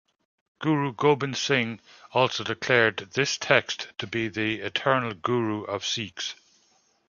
Guru Gobind Singh also declared this text to be the eternal Guru for Sikhs.